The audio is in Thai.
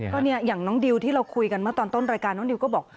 ก็เนี่ยอย่างน้องดิวที่เราคุยกันเมื่อตอนต้นรายการน้องดิวก็บอก